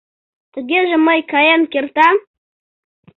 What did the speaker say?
Тугеже мый каен кертам?